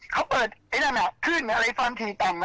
เค้าเปิดไอ้ดังคืนอะไรฟันทีแต่ง